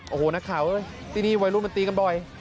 โอ้โหนักข่าวตีนี้ไวรูปมาตีกันบ่อย